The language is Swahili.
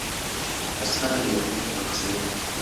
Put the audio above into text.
Hasa aliandika tamthiliya.